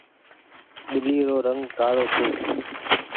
ٻلي رو رنگ ڪآڙو ڇي۔